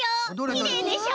きれいでしょ？